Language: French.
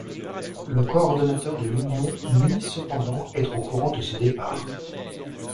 Le coordonnateur de l'union nie cependant être au courant de ce départ.